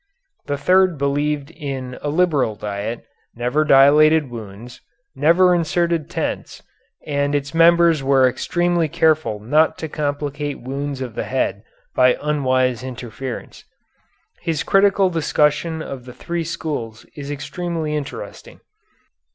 The third believed in a liberal diet, never dilated wounds, never inserted tents, and its members were extremely careful not to complicate wounds of the head by unwise interference. His critical discussion of the three schools is extremely interesting.